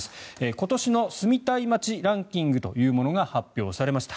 今年の住みたい街ランキングというものが発表されました。